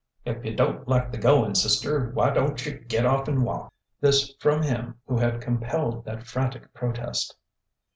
"If y'u don't like the goin', sister, why doncha get off 'n' walk?" This from him who had compelled that frantic protest.